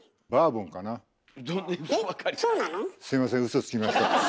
すいませんうそつきました。